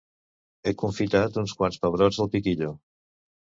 he confitat uns quants pebrots del "piquillo"